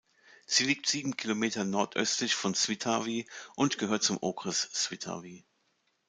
Sie liegt sieben Kilometer nordöstlich von Svitavy und gehört zum Okres Svitavy.